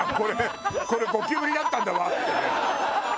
「これゴキブリだったんだわ」ってね。